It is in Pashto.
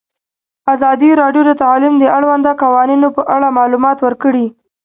ازادي راډیو د تعلیم د اړونده قوانینو په اړه معلومات ورکړي.